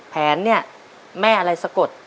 แผนแม่อะไรสกด